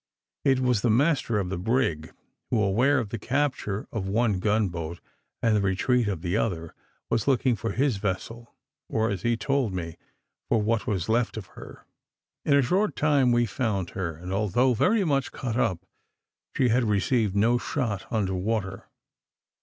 It was the master of the brig, who, aware of the capture of one gun boat, and the retreat of the other, was looking for his vessel; or, as he told me, for what was left of her. In a short time we found her, and, although very much cut up, she had received no shot under water.